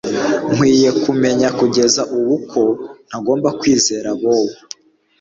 Nkwiye kumenya kugeza ubu ko ntagomba kwizera Bobo